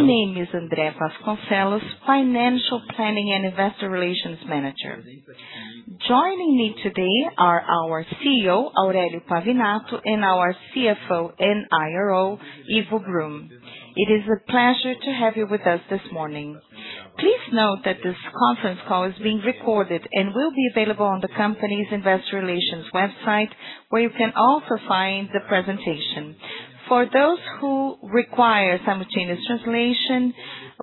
My name is André Vasconcellos, Financial Planning and Investor Relations Manager. Joining me today are our CEO, Aurélio Pavinato, and our CFO and IRO, Ivo Brum. It is a pleasure to have you with us this morning. Please note that this conference call is being recorded and will be available on the company's investor relations website, where you can also find the presentation. For those who require simultaneous translation,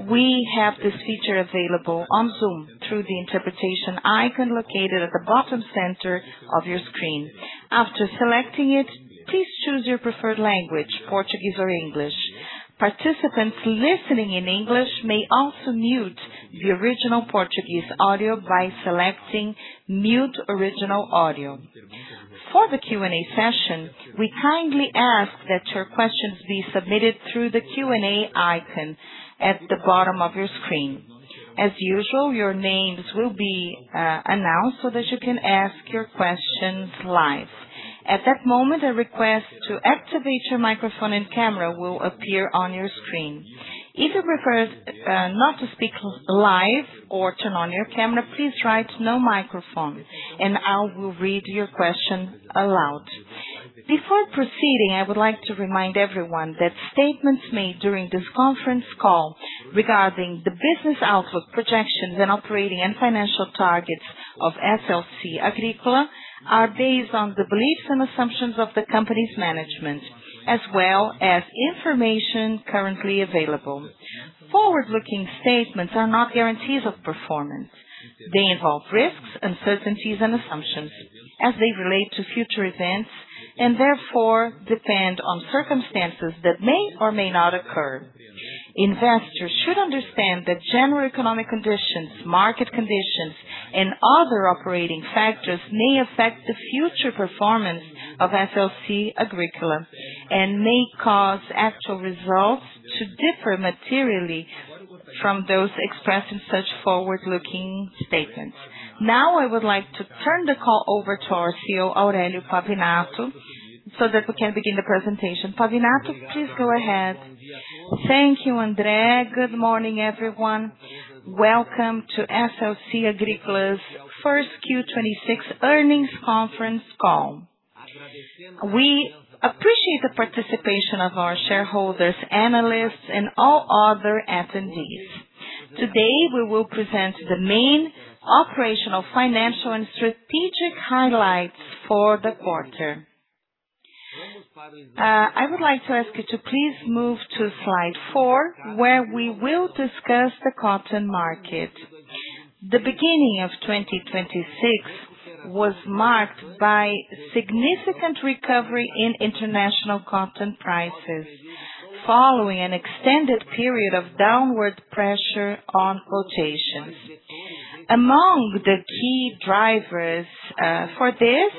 we have this feature available on Zoom through the interpretation icon located at the bottom center of your screen. After selecting it, please choose your preferred language, Portuguese or English. Participants listening in English may also mute the original Portuguese audio by selecting Mute Original Audio. For the Q&A session, we kindly ask that your questions be submitted through the Q&A icon at the bottom of your screen. As usual, your names will be announced so that you can ask your questions live. At that moment, a request to activate your microphone and camera will appear on your screen. If you prefer not to speak live or turn on your camera, please write "No microphone," and I will read your question aloud. Before proceeding, I would like to remind everyone that statements made during this conference call regarding the business outlook, projections, and operating and financial targets of SLC Agrícola are based on the beliefs and assumptions of the company's management, as well as information currently available. Forward-looking statements are not guarantees of performance. They involve risks, uncertainties and assumptions as they relate to future events, and therefore depend on circumstances that may or may not occur. Investors should understand that general economic conditions, market conditions, and other operating factors may affect the future performance of SLC Agrícola and may cause actual results to differ materially from those expressed in such forward-looking statements. I would like to turn the call over to our CEO, Aurélio Pavinato, so that we can begin the presentation. Pavinato, please go ahead. Thank you, André. Good morning, everyone. Welcome to SLC Agrícola's first Q 2026 earnings conference call. We appreciate the participation of our shareholders, analysts and all other attendees. Today, we will present the main operational, financial, and strategic highlights for the quarter. I would like to ask you to please move to slide four, where we will discuss the cotton market. The beginning of 2026 was marked by significant recovery in international cotton prices following an extended period of downward pressure on quotations. Among the key drivers for this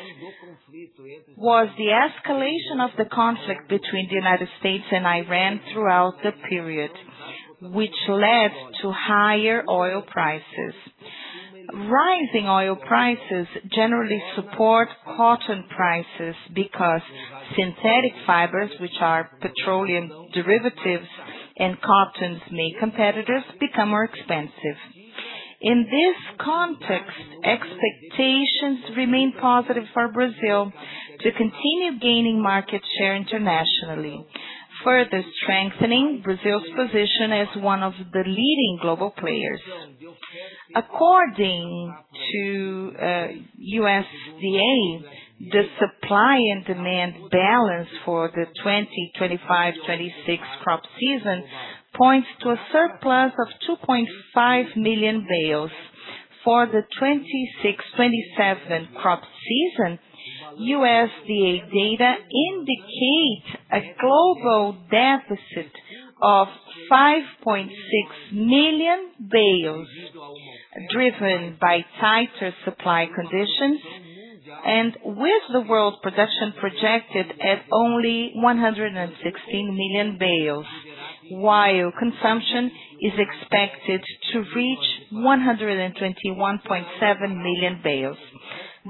was the escalation of the conflict between the United States and Iran throughout the period, which led to higher oil prices. Rising oil prices generally support cotton prices because synthetic fibers, which are petroleum derivatives and cotton's main competitors, become more expensive. In this context, expectations remain positive for Brazil to continue gaining market share internationally, further strengthening Brazil's position as one of the leading global players. According to USDA, the supply and demand balance for the 2025/2026 crop season points to a surplus of 2.5 million bales. For the 2026/2027 crop season, USDA data indicate a global deficit of 5.6 million bales, driven by tighter supply conditions and with the world production projected at only 116 million bales, while consumption is expected to reach 121.7 million bales.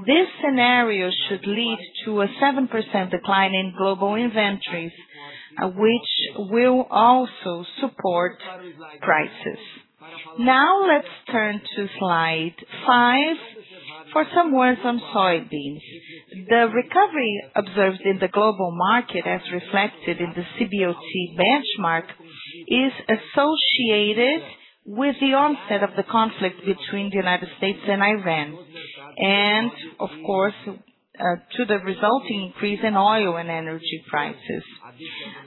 This scenario should lead to a 7% decline in global inventories, which will also support prices. Let's turn to slide five for some words on soybeans. The recovery observed in the global market, as reflected in the CBOT benchmark, is associated with the onset of the conflict between the U.S. and Iran and of course, to the resulting increase in oil and energy prices.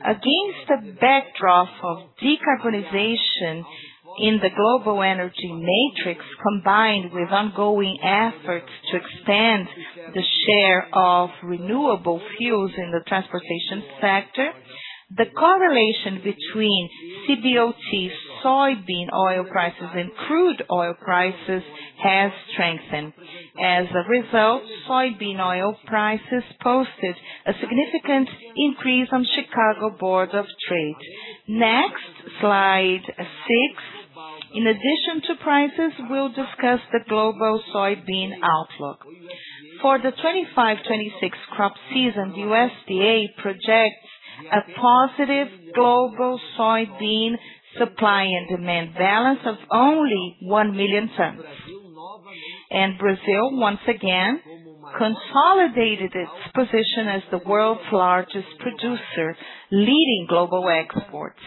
Against a backdrop of decarbonization in the global energy matrix, combined with ongoing efforts to expand the share of renewable fuels in the transportation sector, the correlation between CBOT soybean oil prices and crude oil prices has strengthened. As a result, soybean oil prices posted a significant increase on Chicago Board of Trade. Slide six. In addition to prices, we'll discuss the global soybean outlook. For the 2025/2026 crop season, the USDA projects a positive global soybean supply and demand balance of only 1 million tons. Brazil, once again, consolidated its position as the world's largest producer, leading global exports.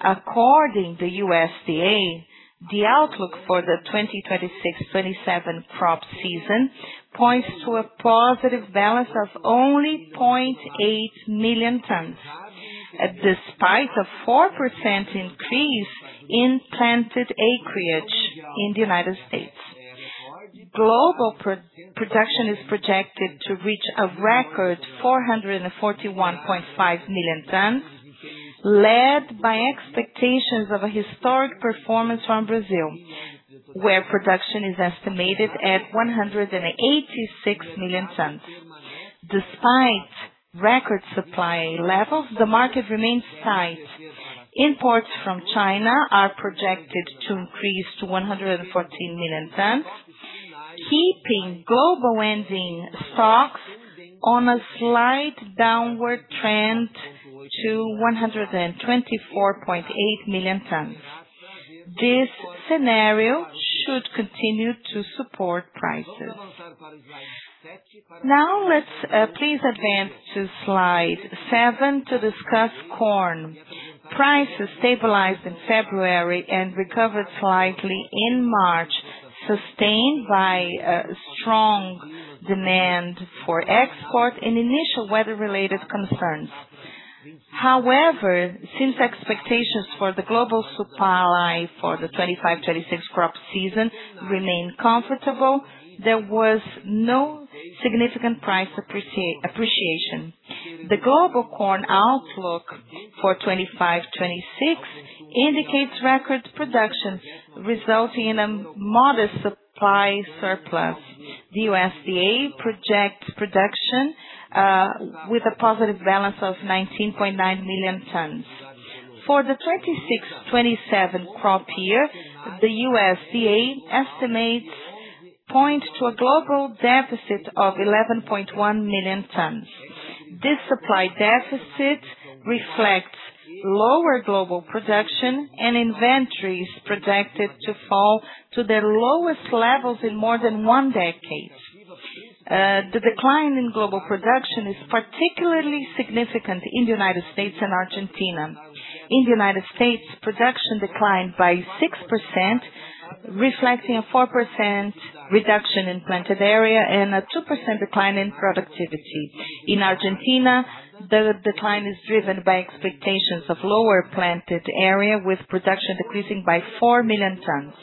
According to the USDA, the outlook for the 2026/2027 crop season points to a positive balance of only 0.8 million tons, despite a 4% increase in planted acreage in the U.S. Global production is projected to reach a record 441.5 million tons, led by expectations of a historic performance from Brazil, where production is estimated at 186 million tons. Despite record supply levels, the market remains tight. Imports from China are projected to increase to 114 million tons, keeping global ending stocks on a slight downward trend to 124.8 million tons. This scenario should continue to support prices. Let's please advance to slide seven to discuss corn. Prices stabilized in February and recovered slightly in March, sustained by a strong demand for export and initial weather-related concerns. However, since expectations for the global supply for the 2025/2026 crop season remained comfortable, there was no significant price appreciation. The global corn outlook for 2025/2026 indicates record production, resulting in a modest supply surplus. The USDA projects production with a positive balance of 19.9 million tons. For the 2026/2027 crop year, the USDA estimates point to a global deficit of 11.1 million tons. This supply deficit reflects lower global production and inventories projected to fall to their lowest levels in more than one decade. The decline in global production is particularly significant in the United States and Argentina. In the United States, production declined by 6%, reflecting a 4% reduction in planted area and a 2% decline in productivity. In Argentina, the decline is driven by expectations of lower planted area, with production decreasing by 4 million tons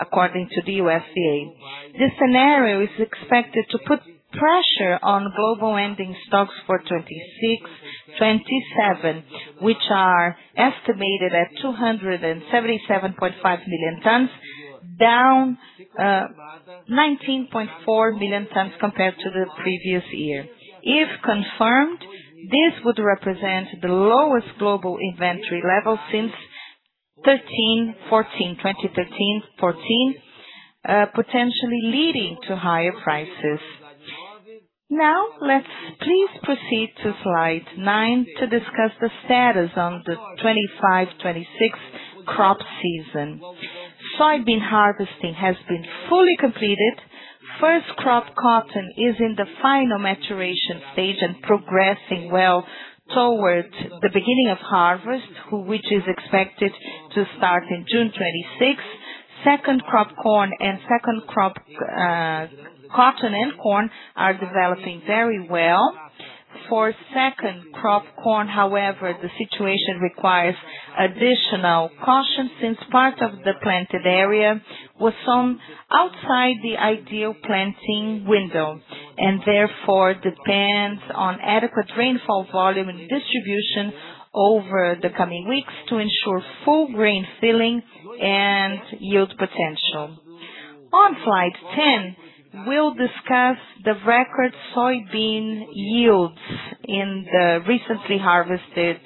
according to the USDA. This scenario is expected to put pressure on global ending stocks for 2026/2027, which are estimated at 277.5 million tons, down 19.4 million tons compared to the previous year. If confirmed, this would represent the lowest global inventory level since 2013/2014. 2013/2014, potentially leading to higher prices. Now, let's please proceed to slide nine to discuss the status on the 2025/2026 crop season. Soybean harvesting has been fully completed. First crop cotton is in the final maturation stage and progressing well towards the beginning of harvest, which is expected to start in June 26. Second crop corn and second crop cotton and corn are developing very well. For second crop corn, however, the situation requires additional caution since part of the planted area was sown outside the ideal planting window and therefore depends on adequate rainfall volume and distribution over the coming weeks to ensure full grain filling and yield potential. On slide 10, we'll discuss the record soybean yields in the recently harvested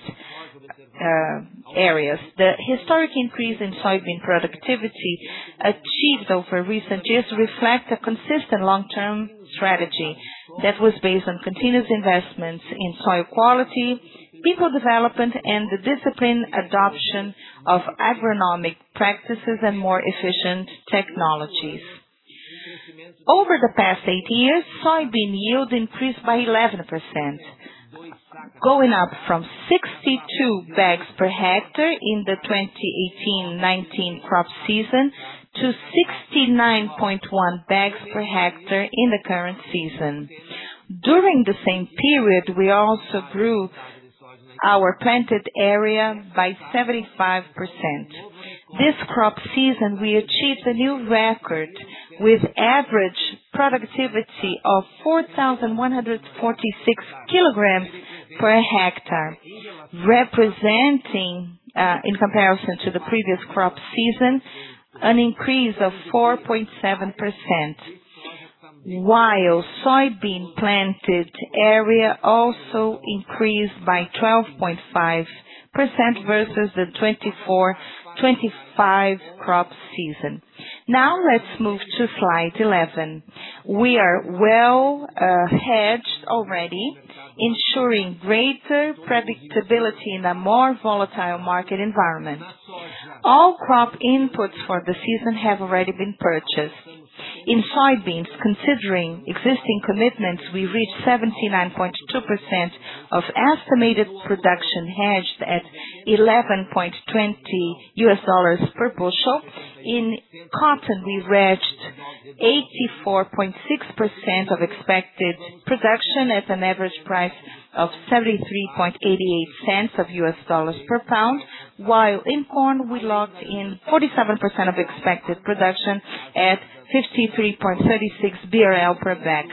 areas. The historic increase in soybean productivity achieved over recent years reflect a consistent long-term strategy that was based on continuous investments in soil quality, people development, and the disciplined adoption of agronomic practices and more efficient technologies. Over the past eight years, soybean yield increased by 11%, going up from 62 bags per hectare in the 2018/2019 crop season to 69.1 bags per hectare in the current season. During the same period, we also grew our planted area by 75%. This crop season we achieved a new record with average productivity of 4,146 kg per hectare, representing, in comparison to the previous crop season, an increase of 4.7%. Soybean planted area also increased by 12.5% versus the 2024/2025 crop season. Let's move to slide 11. We are well hedged already, ensuring greater predictability in a more volatile market environment. All crop inputs for the season have already been purchased. In soybeans, considering existing commitments, we reached 79.2% of estimated production hedged at $11.20 per bushel. In cotton, we hedged 84.6% of expected production at an average price of $0.7388 per pound. While in corn, we locked in 47% of expected production at 53.36 BRL per bag.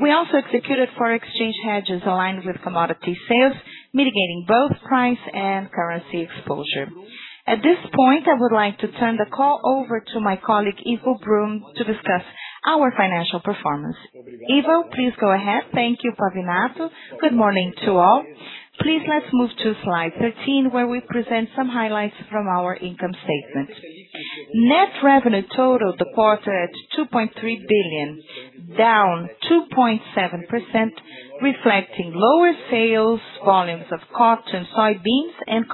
We also executed foreign exchange hedges aligned with commodity sales, mitigating both price and currency exposure. At this point, I would like to turn the call over to my colleague, Ivo Brum, to discuss our financial performance. Ivo, please go ahead. Thank you, Pavinato. Good morning to all. Please, let's move to slide 13, where we present some highlights from our income statement. Net revenue total of the quarter at 2.3 billion, down 2.7%, reflecting lower sales volumes of cotton, soybeans and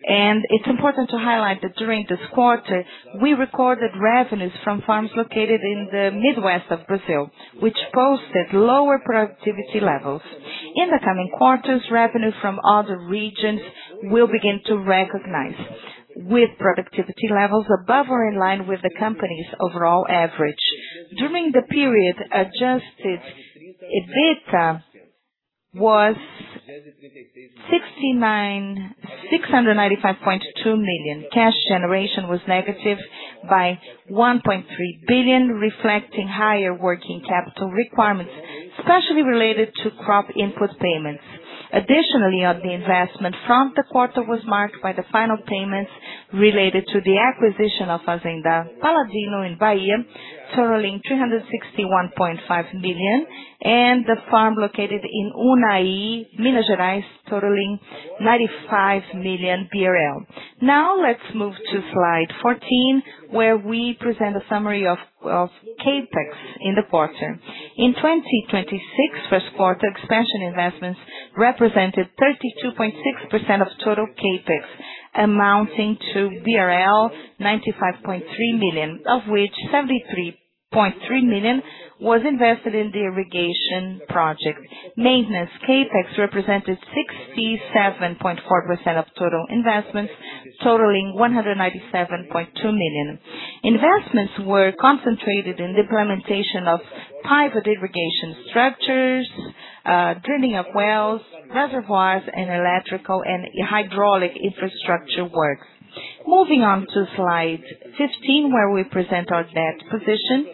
cottonseed. It's important to highlight that during this quarter, we recorded revenues from farms located in the Midwest of Brazil, which posted lower productivity levels. In the coming quarters, revenue from other regions will begin to recognize with productivity levels above or in line with the company's overall average. During the period, adjusted EBITDA was 695.2 million. Cash generation was negative by 1.3 billion, reflecting higher working capital requirements, especially related to crop input payments. Additionally, on the investment front, the quarter was marked by the final payments related to the acquisition of Fazenda Paladino in Bahia, totaling 361.5 million, and the farm located in Unaí, Minas Gerais, totaling 95 million BRL. Let's move to slide 14, where we present a summary of CapEx in the quarter. In 2026 first quarter, expansion investments represented 32.6% of total CapEx, amounting to BRL 95.3 million, of which 73.3 million was invested in the irrigation project. Maintenance CapEx represented 67.4% of total investments, totaling 197.2 million. Investments were concentrated in the implementation of private irrigation structures, drilling of wells, reservoirs, and electrical and hydraulic infrastructure works. Moving on to slide 15, where we present our debt position.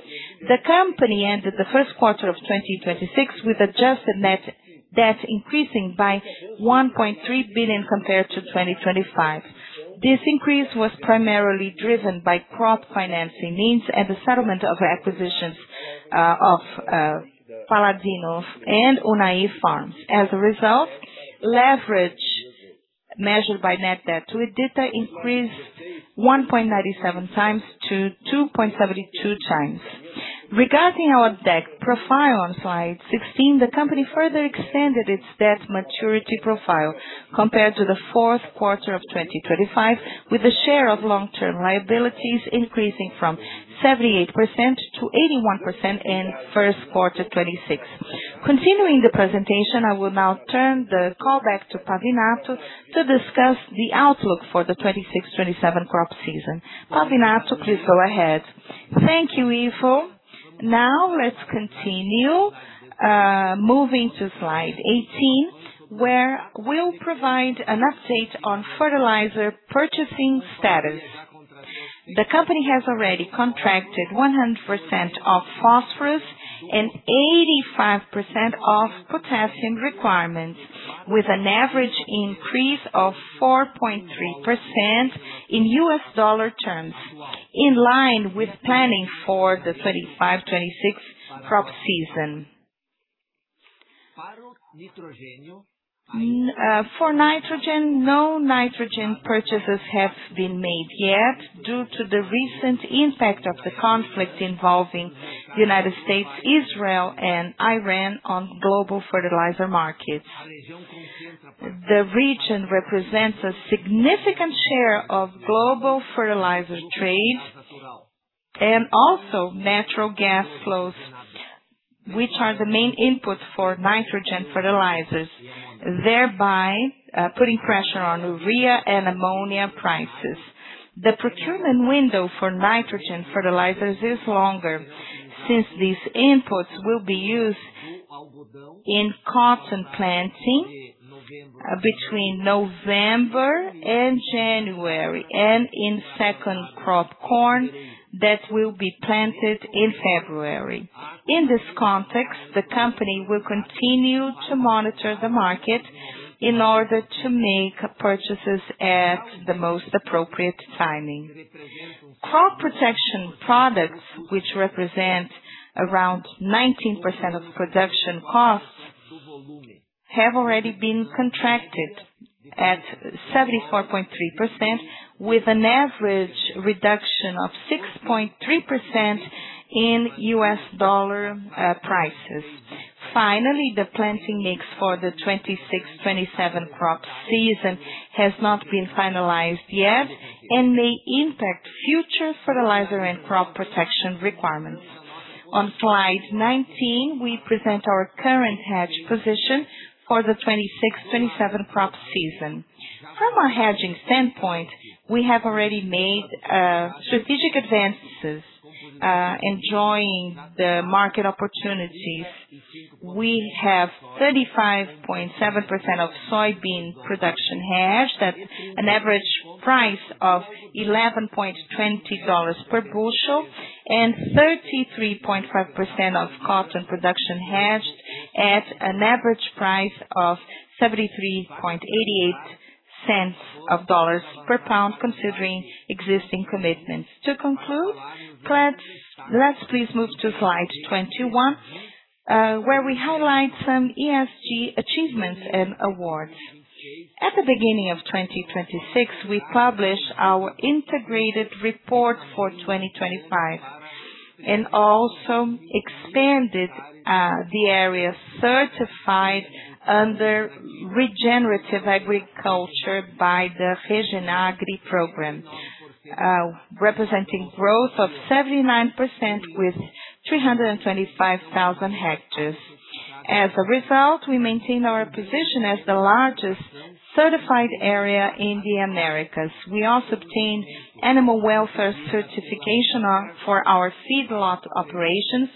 The company ended the first quarter of 2026 with adjusted net debt increasing by 1.3 billion compared to 2025. This increase was primarily driven by crop financing needs and the settlement of acquisitions of Fazenda Paladino's and Unaí farms. As a result, leverage measured by net debt to EBITDA increased 1.97x to 2.72x. Regarding our debt profile on slide 16, the company further extended its debt maturity profile compared to the fourth quarter of 2025, with the share of long-term liabilities increasing from 78% to 81% in first quarter 2026. Continuing the presentation, I will now turn the call back to Pavinato to discuss the outlook for the 2026/2027 crop season. Pavinato, please go ahead. Thank you, Ivo. Now let's continue, moving to slide 18, where we'll provide an update on fertilizer purchasing status. The company has already contracted 100% of phosphorus and 85% of potassium requirements, with an average increase of 4.3% in U.S. dollar terms, in line with planning for the 2025/2026 crop season. For nitrogen, no nitrogen purchases have been made yet due to the recent impact of the conflict involving U.S., Israel, and Iran on global fertilizer markets. The region represents a significant share of global fertilizer trade and also natural gas flows, which are the main input for nitrogen fertilizers, thereby putting pressure on urea and ammonia prices. The procurement window for nitrogen fertilizers is longer since these inputs will be used in cotton planting between November and January and in second crop corn that will be planted in February. In this context, the company will continue to monitor the market in order to make purchases at the most appropriate timing. Crop protection products which represent around 19% of production costs have already been contracted at 74.3% with an average reduction of 6.3% in U.S. dollar prices. Finally, the planting mix for the 2026/2027 crop season has not been finalized yet and may impact future fertilizer and crop protection requirements. On slide 19, we present our current hedge position for the 2026/2027 crop season. From a hedging standpoint, we have already made strategic advances, enjoying the market opportunities. We have 35.7% of soybean production hedged at an average price of $11.20 per bushel and 33.5% of cotton production hedged at an average price of $0.7388 per pound considering existing commitments. To conclude, let's please move to slide 21, where we highlight some ESG achievements and awards. At the beginning of 2026, we published our integrated report for 2025 and also expanded the area certified under regenerative agriculture by the Regenagri program, representing growth of 79% with 325,000 hectares. As a result, we maintained our position as the largest certified area in the Americas. We also obtained animal welfare certification for our feedlot operations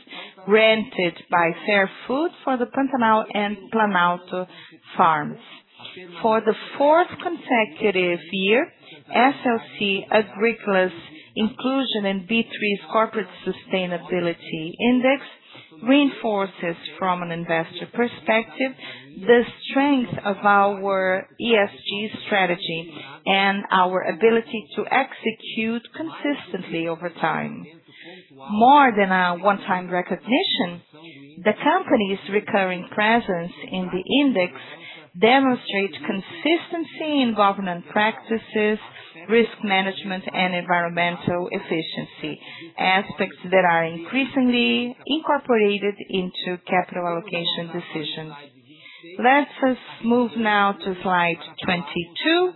granted by FairFood for the Pantanal and Planalto farms. For the fourth consecutive year, SLC Agrícola's inclusion in B3's Corporate Sustainability Index reinforces from an investor perspective the strength of our ESG strategy and our ability to execute consistently over time. More than a one-time recognition, the company's recurring presence in the index demonstrates consistency in governance practices, risk management and environmental efficiency, aspects that are increasingly incorporated into capital allocation decisions. Let us move now to slide 22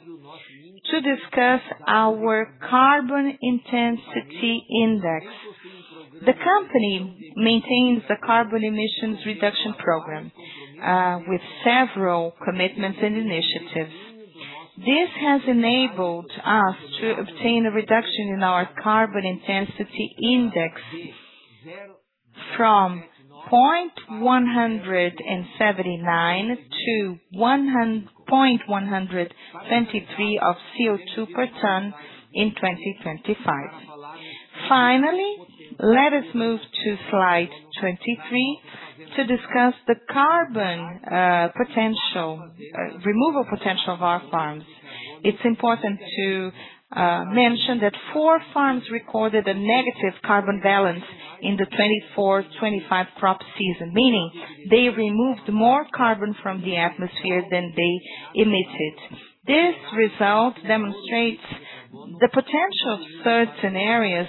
to discuss our carbon intensity index. The company maintains the carbon emissions reduction program with several commitments and initiatives. This has enabled us to obtain a reduction in our carbon intensity index from point 179 to point 123 of CO2 per ton in 2025. Finally, let us move to slide 23 to discuss the carbon removal potential of our farms. It's important to mention that 4 farms recorded a negative carbon balance in the 2024, 2025 crop season, meaning they removed more carbon from the atmosphere than they emitted. This result demonstrates the potential of certain areas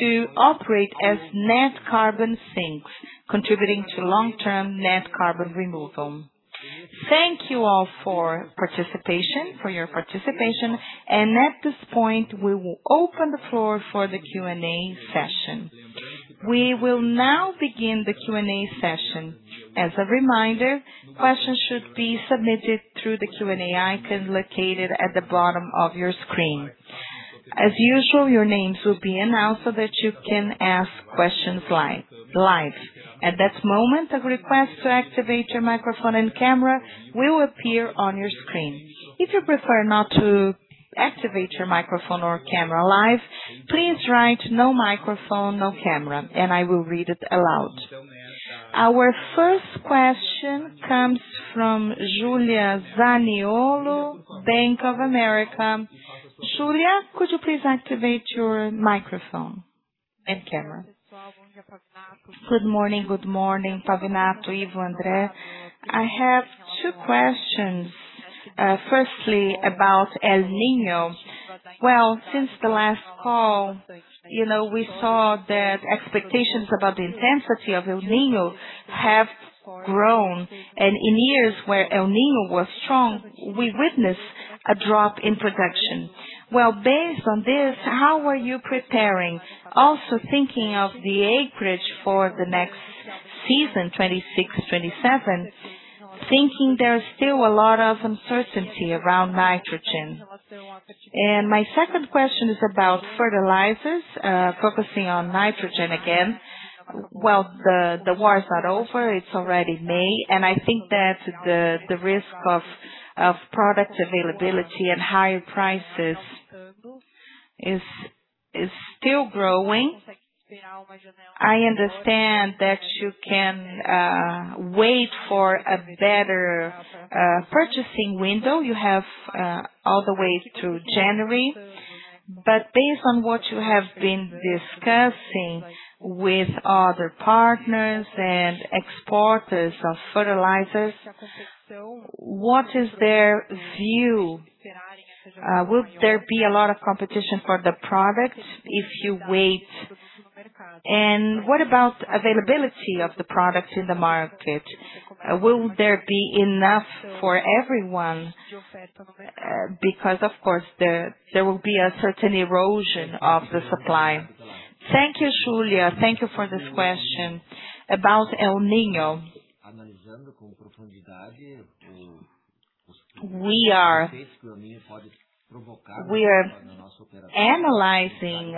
to operate as net carbon sinks, contributing to long-term net carbon removal. Thank you all for your participation and at this point, we will open the floor for the Q&A session. We will now begin the Q&A session. As a reminder, questions should be submitted through the Q&A icon located at the bottom of your screen. As usual, your names will be announced so that you can ask questions live. At this moment, a request to activate your microphone and camera will appear on your screen. If you prefer not to activate your microphone or camera live, please write, "No microphone, no camera," and I will read it aloud. Our first question comes from Julia Zaniolo, Bank of America. Julia, could you please activate your microphone and camera? Good morning. Good morning, Pavinato, Ivo, André. I have two questions. Firstly, about El Niño. Well, since the last call, you know, we saw that expectations about the intensity of El Niño have grown. In years where El Niño was strong, we witnessed a drop in production. Well, based on this, how are you preparing? Also thinking of the acreage for the next season, 2026, 2027, thinking there is still a lot of uncertainty around nitrogen. My second question is about fertilizers, focusing on nitrogen again. Well, the war is not over. It's already May. I think that the risk of product availability and higher prices is still growing. I understand that you can wait for a better purchasing window. You have all the way through January. Based on what you have been discussing with other partners and exporters of fertilizers, what is their view? Will there be a lot of competition for the product if you wait? What about availability of the product in the market? Will there be enough for everyone? Because of course, there will be a certain erosion of the supply. Thank you, Julia. Thank you for this question. About El Niño. We are analyzing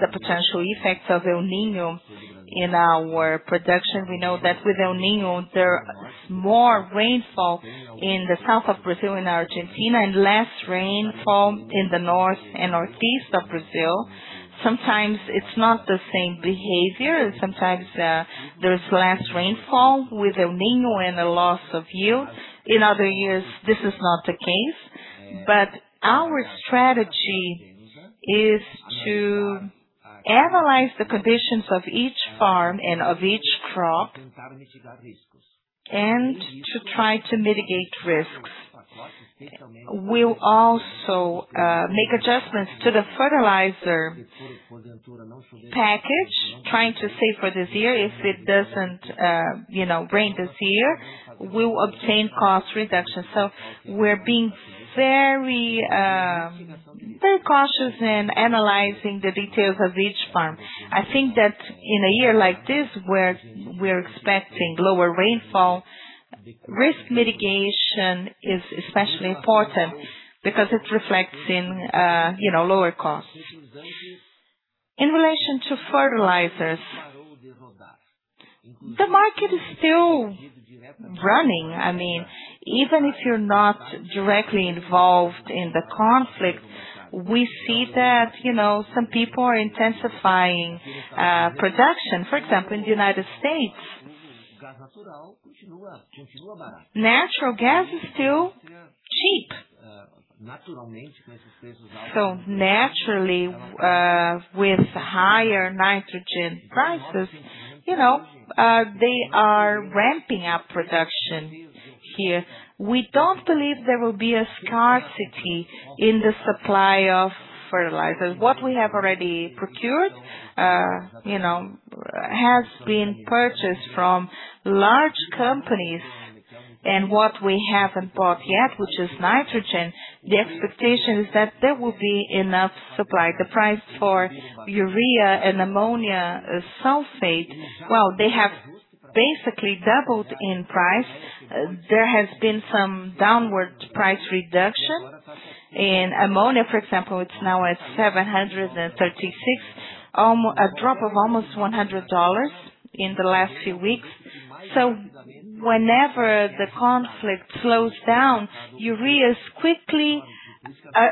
the potential effects of El Niño in our production. We know that with El Niño, there are more rainfall in the south of Brazil and Argentina, and less rainfall in the north and northeast of Brazil. Sometimes it's not the same behavior. Sometimes, there's less rainfall with El Niño and a loss of yield. In other years, this is not the case. Our strategy is to analyze the conditions of each farm and of each crop, and to try to mitigate risks. We'll also make adjustments to the fertilizer package, trying to save for this year. If it doesn't, you know, rain this year, we'll obtain cost reduction. We're being very cautious in analyzing the details of each farm. I think that in a year like this where we're expecting lower rainfall, risk mitigation is especially important because it reflects in, you know, lower costs. In relation to fertilizers, the market is still running. I mean, even if you're not directly involved in the conflict, we see that, you know, some people are intensifying production. For example, in the U.S., natural gas is still cheap. Naturally, with higher nitrogen prices, you know, they are ramping up production here. We don't believe there will be a scarcity in the supply of fertilizers. What we have already procured, you know, has been purchased from large companies. What we haven't bought yet, which is nitrogen, the expectation is that there will be enough supply. The price for urea and ammonium sulfate, well, they have basically doubled in price. There has been some downward price reduction. In ammonia, for example, it's now at $736. A drop of almost $100 in the last few weeks. Whenever the conflict slows down, urea is quickly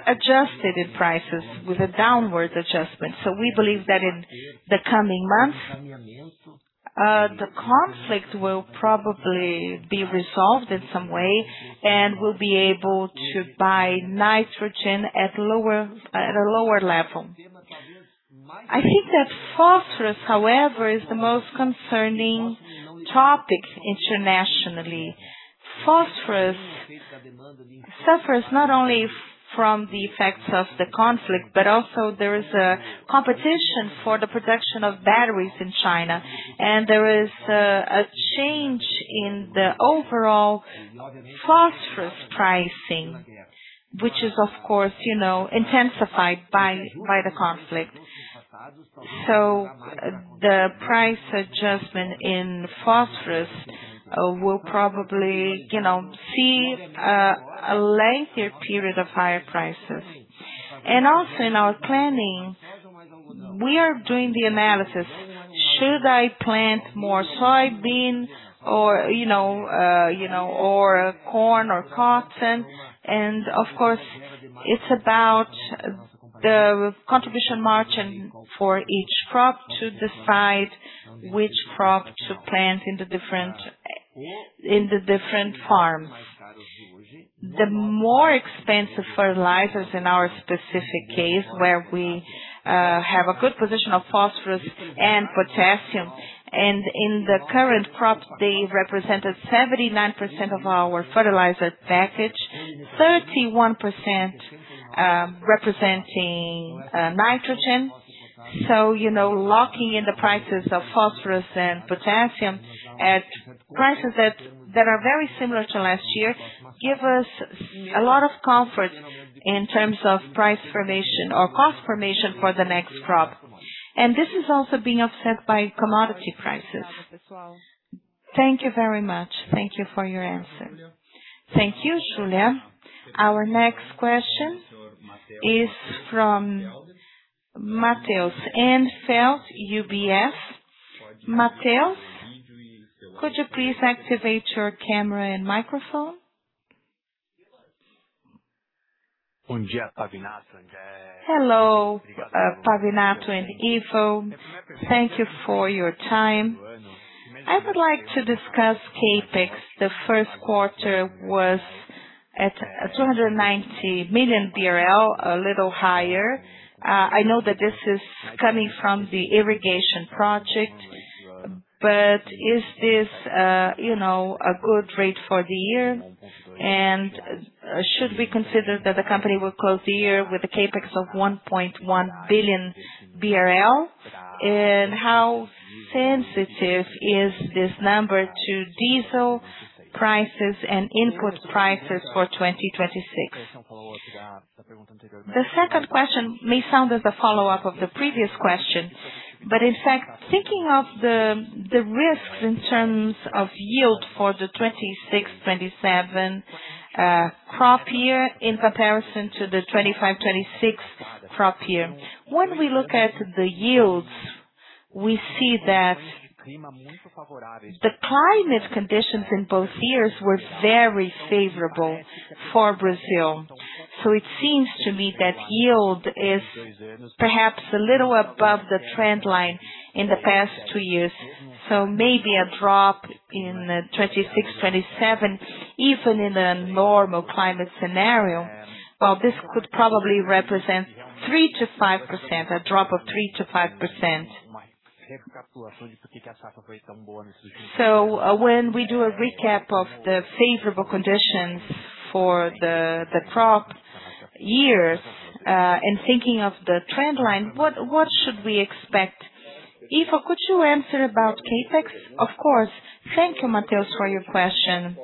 adjusted in prices with a downward adjustment. We believe that in the coming months, the conflict will probably be resolved in some way, and we'll be able to buy nitrogen at lower, at a lower level. I think that phosphorus, however, is the most concerning topic internationally. Phosphorus suffers not only from the effects of the conflict, but also there is a competition for the production of batteries in China. There is a change in the overall phosphorus pricing, which is of course, you know, intensified by the conflict. The price adjustment in phosphorus will probably, you know, see a lengthier period of higher prices. Also in our planning, we are doing the analysis, should I plant more soybeans or, you know, or corn or cotton? Of course, it's about the contribution margin for each crop to decide which crop to plant in the different farms. The more expensive fertilizers in our specific case, where we have a good position of phosphorus and potassium. In the current crops, they represented 79% of our fertilizer package, 31% representing nitrogen. You know, locking in the prices of phosphorus and potassium at prices that are very similar to last year, give us a lot of comfort in terms of price formation or cost formation for the next crop. This is also being offset by commodity prices. Thank you very much. Thank you for your answer. Thank you, Julia. Our next question is from Matheus Enfeldt, UBS. Matheus? Could you please activate your camera and microphone? Hello, Pavinato and Ivo. Thank you for your time. I would like to discuss CapEx. The first quarter was at 290 million BRL, a little higher. I know that this is coming from the irrigation project, but is this, you know, a good rate for the year? Should we consider that the company will close the year with a CapEx of 1.1 billion BRL? How sensitive is this number to diesel prices and input prices for 2026? The second question may sound as a follow-up of the previous question, but in fact thinking of the risks in terms of yield for the 2026/2027 crop year in comparison to the 2025/2026 crop year. When we look at the yields, we see that the climate conditions in both years were very favorable for Brazil. It seems to me that yield is perhaps a little above the trend line in the past two years. Maybe a drop in 2026/2027, even in a normal climate scenario. While this could probably represent 3%-5%, a drop of 3%-5%. When we do a recap of the favorable conditions for the crop year, and thinking of the trend line, what should we expect? Ivo, could you answer about CapEx? Of course. Thank you Matheus for your question.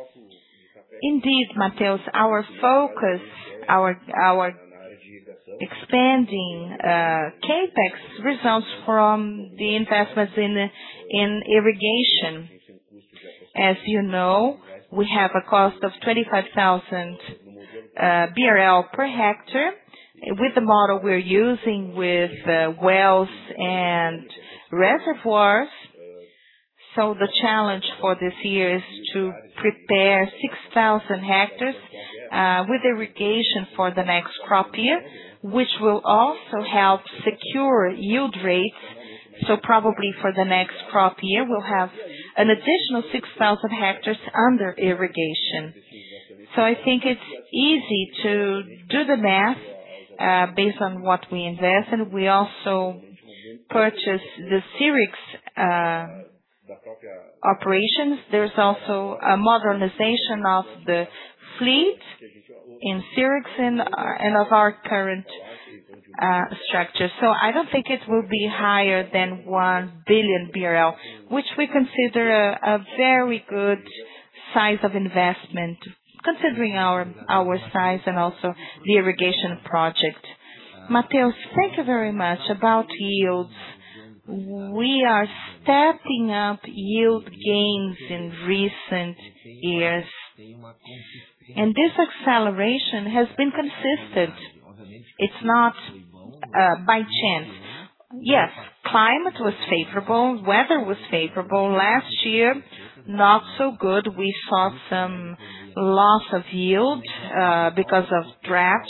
Indeed, Matheus Enfeldt, our focus, our expanding CapEx results from the investments in irrigation. As you know, we have a cost of 25,000 BRL per hectare with the model we're using with wells and reservoirs. The challenge for this year is to prepare 6,000 hectares with irrigation for the next crop year, which will also help secure yield rates. Probably for the next crop year we'll have an additional 6,000 hectares under irrigation. I think it's easy to do the math based on what we invest. We also purchased the Ceres operations. There's also a modernization of the fleet in Ceres and of our current structure. I don't think it will be higher than 1 billion BRL, which we consider a very good size of investment considering our size and also the irrigation project. Matheus, thank you very much. About yields, we are stepping up yield gains in recent years, and this acceleration has been consistent. It's not by chance. Yes, climate was favorable, weather was favorable. Last year, not so good. We saw some loss of yield because of droughts.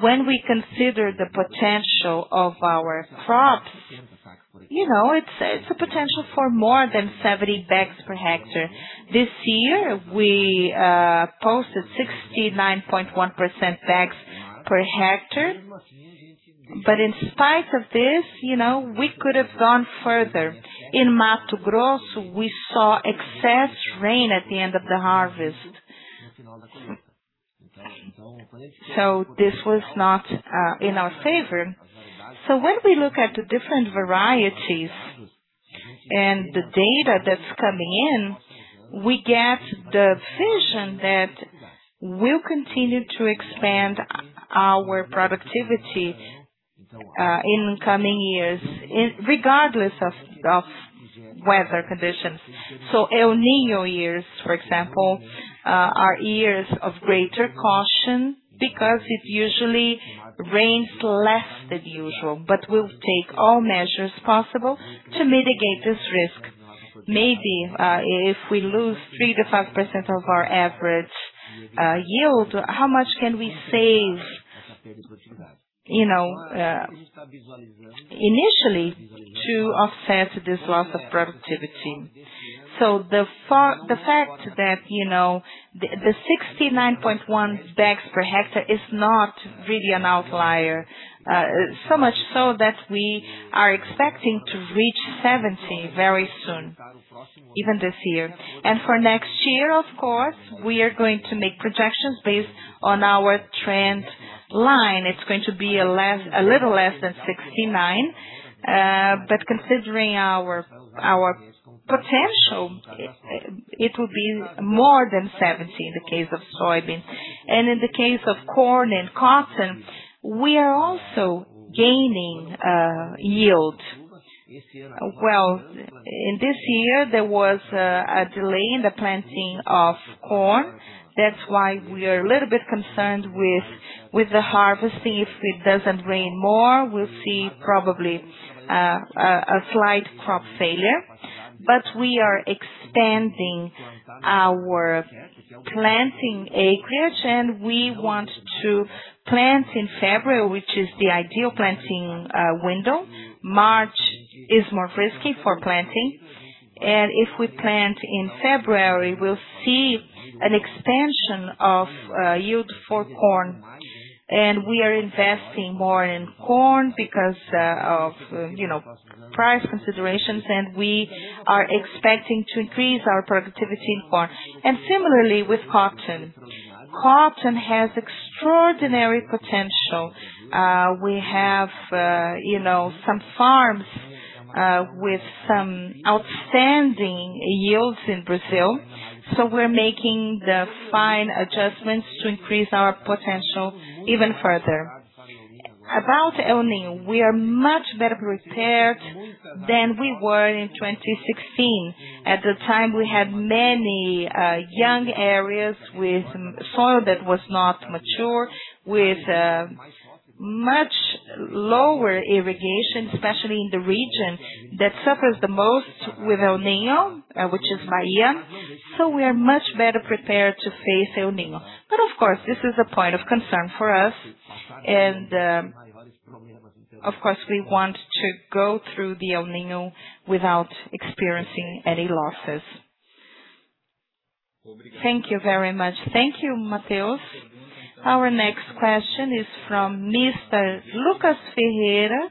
When we consider the potential of our crops, you know, it's a potential for more than 70 bags per hectare. This year we posted 69.1% bags per hectare. In spite of this, you know, we could have gone further. In Mato Grosso, we saw excess rain at the end of the harvest. This was not in our favor. When we look at the different varieties and the data that's coming in, we get the vision that we'll continue to expand our productivity in coming years regardless of weather conditions. El Niño years, for example, are years of greater caution because it usually rains less than usual. We'll take all measures possible to mitigate this risk. Maybe, if we lose 3%-5% of our average yield, how much can we save, you know, initially to offset this loss of productivity? The fact that, you know, the 69.1 bags per hectare is not really an outlier. So much so that we are expecting to reach 70 very soon, even this year. For next year of course we are going to make projections based on our trend line. It's going to be a little less than 69. But considering our potential, it will be more than 70 in the case of soybeans. In the case of corn and cotton, we are also gaining yield. Well, in this year there was a delay in the planting of corn. That's why we are a little bit concerned with the harvest. If it doesn't rain more, we'll see probably a slight crop failure. We are expanding our planting acreage, and we want to plant in February, which is the ideal planting window. March is more risky for planting. If we plant in February, we'll see an expansion of yield for corn. We are investing more in corn because, you know, price considerations, and we are expecting to increase our productivity in corn. Similarly with cotton. Cotton has extraordinary potential. We have, you know, some farms, with some outstanding yields in Brazil. We're making the fine adjustments to increase our potential even further. About El Niño, we are much better prepared than we were in 2016. At the time, we had many young areas with soil that was not mature, with much lower irrigation, especially in the region that suffers the most with El Niño, which is Bahia. We are much better prepared to face El Niño. Of course, this is a point of concern for us. Of course, we want to go through the El Niño without experiencing any losses. Thank you very much. Thank you, Matheus. Our next question is from Mr. Lucas Ferreira,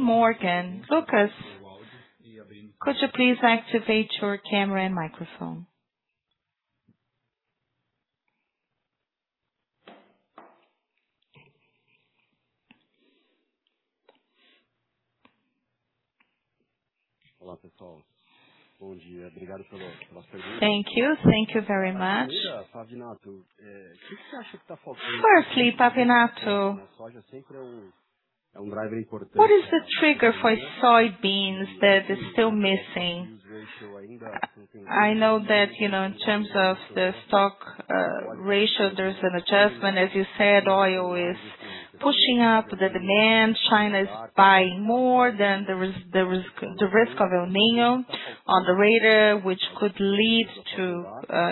JPMorgan. Lucas, could you please activate your camera and microphone? Thank you. Thank you very much. Firstly, Pavinato, what is the trigger for soybeans that is still missing? I know that, you know, in terms of the stock ratio, there's an adjustment. As you said, oil is pushing up the demand. China is buying more than the risk of El Niño on the radar, which could lead to,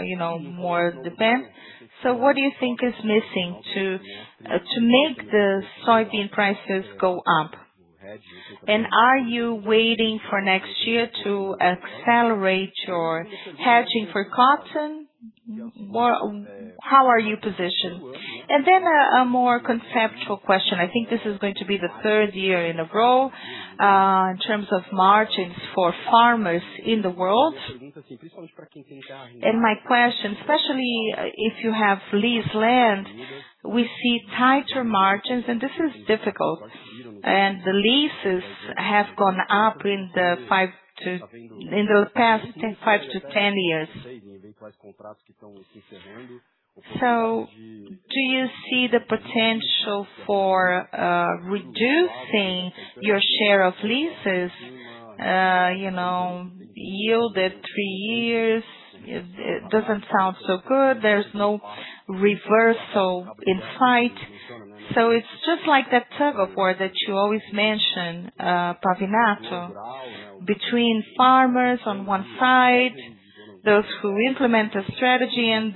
you know, more demand. What do you think is missing to make the soybean prices go up? Are you waiting for next year to accelerate your hedging for cotton? How are you positioned? Then a more conceptual question. I think this is going to be the third year in a row in terms of margins for farmers in the world. My question, especially if you have leased land, we see tighter margins, and this is difficult. The leases have gone up in the past 5-10 years. Do you see the potential for reducing your share of leases? You know, yield at three years, it doesn't sound so good. There's no reversal in sight. It's just like that tug-of-war that you always mention, Pavinato, between farmers on one side, those who implement the strategy and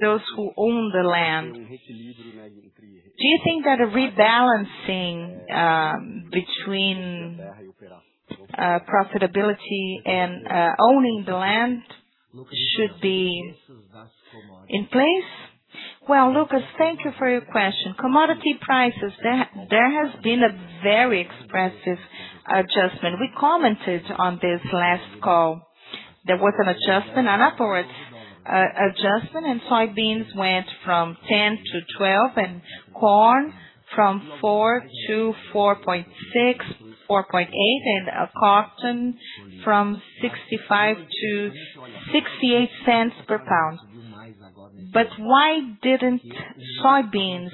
those who own the land. Do you think that a rebalancing between profitability and owning the land should be in place? Lucas, thank you for your question. Commodity prices, there has been a very expressive adjustment. We commented on this last call. There was an adjustment, an upwards adjustment, and soybeans went from $10-$12, and corn from $4-$4.6, $4.8, and cotton from $0.65-$0.68 per pound. Why didn't soybeans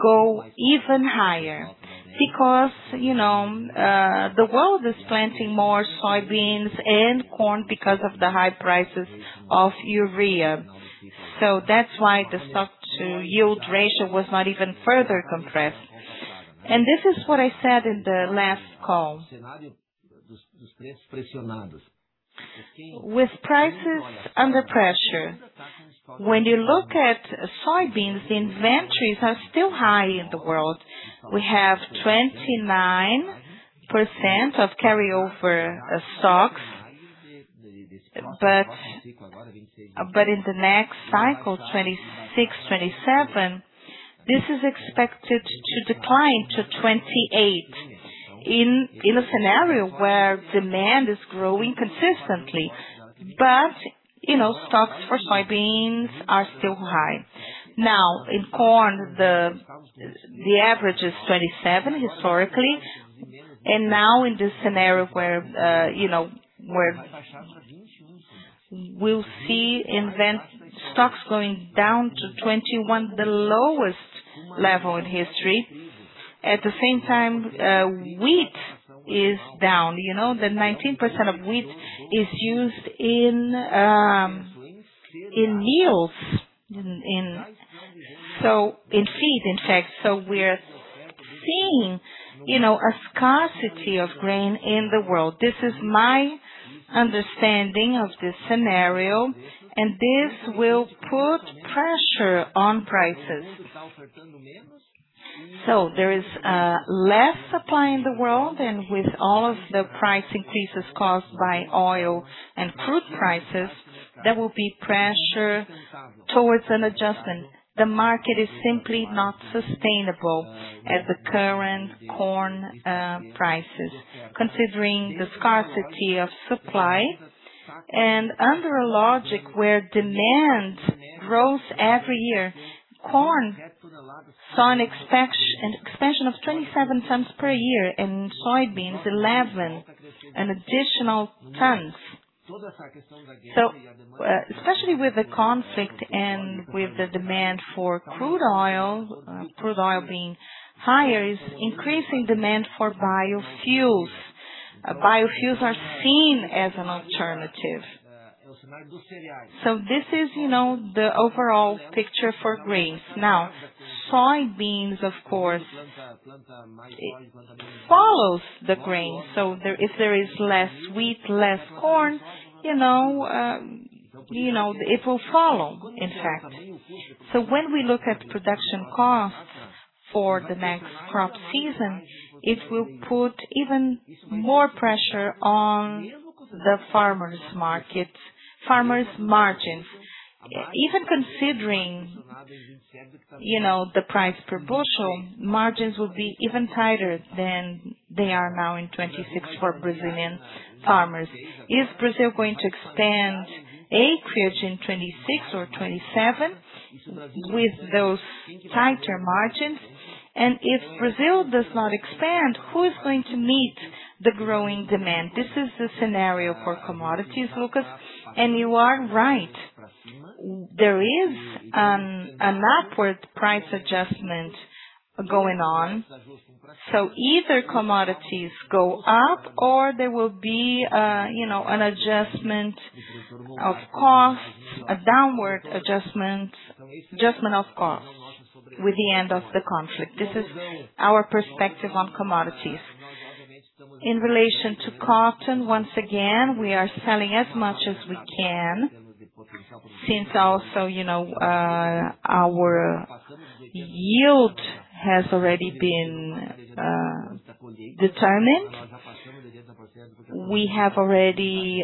go even higher? Because, you know, the world is planting more soybeans and corn because of the high prices of urea. That's why the stock-to-yield ratio was not even further compressed. This is what I said in the last call. With prices under pressure, when you look at soybeans, inventories are still high in the world. We have 29% of carryover stocks. In the next cycle, 2026, 2027, this is expected to decline to 2028 in a scenario where demand is growing consistently. You know, stocks for soybeans are still high. In corn, the average is 27% historically. In this scenario where, you know, we'll see stocks going down to 21%, the lowest level in history. At the same time, wheat is down. You know, the 19% of wheat is used in meals, in feed, in fact. We're seeing, you know, a scarcity of grain in the world. This is my understanding of this scenario, and this will put pressure on prices. There is less supply in the world and with all of the price increases caused by oil and crude prices, there will be pressure towards an adjustment. The market is simply not sustainable at the current corn prices, considering the scarcity of supply and under a logic where demand grows every year. Corn saw an expansion of 27 tons per year and soybeans 11 an additional tons. Especially with the conflict and with the demand for crude oil, crude oil being higher is increasing demand for biofuels. Biofuels are seen as an alternative. This is, you know, the overall picture for grains. Now, soybeans, of course, it follows the grain. If there is less wheat, less corn, you know, it will follow, in fact. When we look at production costs for the next crop season, it will put even more pressure on the Farmers margins. Even considering, you know, the price per bushel, margins will be even tighter than they are now in 2026 for Brazilian farmers. Is Brazil going to expand acreage in 2026 or 2027 with those tighter margins? If Brazil does not expand, who is going to meet the growing demand? This is the scenario for commodities, Lucas. You are right. There is an upward price adjustment going on. Either commodities go up or there will be an adjustment of costs, a downward adjustment of costs with the end of the conflict. This is our perspective on commodities. In relation to cotton, once again, we are selling as much as we can. Since also, our yield has already been determined. We have already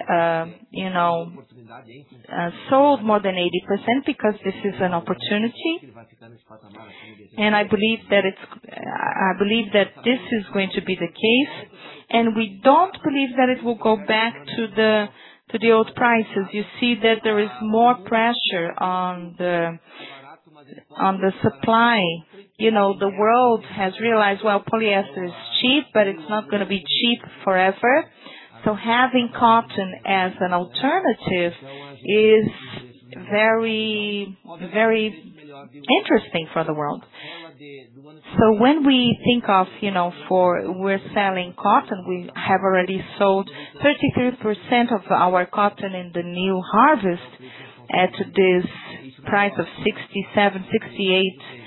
sold more than 80% because this is an opportunity. I believe that this is going to be the case, and we don't believe that it will go back to the old prices. You see that there is more pressure on the, on the supply. You know, the world has realized, well, polyester is cheap, but it's not going to be cheap forever. Having cotton as an alternative is very, very interesting for the world. When we think of, you know, for we're selling cotton, we have already sold 33% of our cotton in the new harvest at this price of $0.67-$0.68